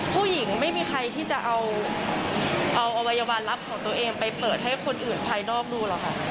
ผู้หญิงไม่มีใครที่จะเอาอวัยวลลับของตัวเองไปเปิดให้คนอื่นภายนอกดูหรอกค่ะ